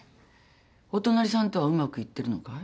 お隣さんとはうまくいってるのかい？